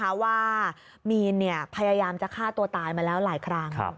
เพราะว่ามีนพยายามจะฆ่าตัวตายมาแล้วหลายครั้ง